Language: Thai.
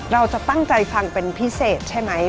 เราจะตั้งใจฟังเป็นพิเศษใช่ไหม